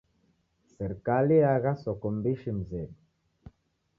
Serikali eagha soko mbishi mzedu.